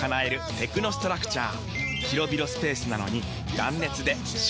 テクノストラクチャー！